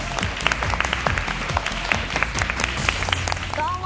どうも！